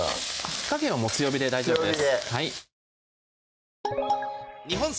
火加減はもう強火で大丈夫です